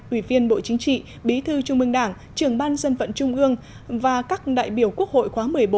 ủy viên bộ chính trị bí thư trung ương đảng trưởng ban dân vận trung ương và các đại biểu quốc hội khóa một mươi bốn